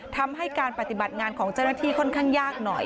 ทำให้การปฏิบัติงานของเจ้าหน้าที่ค่อนข้างยากหน่อย